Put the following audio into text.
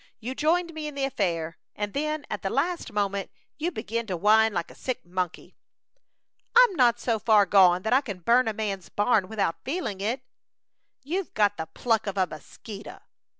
You joined me in the affair, and then, at the last moment, you begin to whine like a sick monkey." "I'm not so far gone that I can burn a man's barn without feeling it." "You haven't got the pluck of a mosquito."